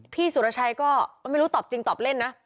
สุรชัยก็ไม่รู้ตอบจริงตอบเล่นนะ